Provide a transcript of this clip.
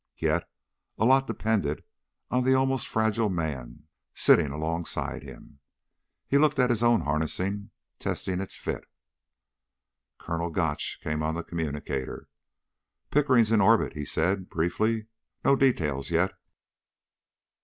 Yes, a lot depended on the almost fragile man sitting alongside him. He looked at his own harnessing, testing its fit. Colonel Gotch came on the communicator. "Pickering's in orbit," he said briefly. "No details yet."